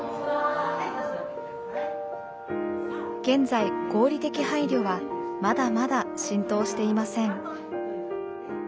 現在合理的配慮はまだまだ浸透していません。